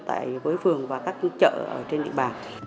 tại quế phường và các chợ trên địa bàn